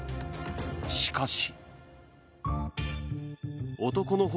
しかし。